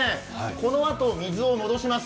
このあと、水を戻します。